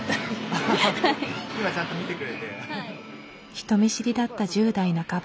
人見知りだった１０代半ば。